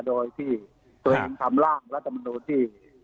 โดยที่ตัวเองทำร่างรัฐบาลมนุษย์ที่